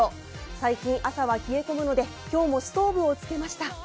最近、朝は冷え込むので今日もストーブをつけました。